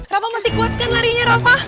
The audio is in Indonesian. rafa masih kuat kan larinya rafa